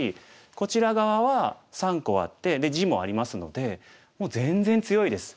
こちら側は３個あって地もありますのでもう全然強いです。